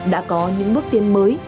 đã có những bước tiến mới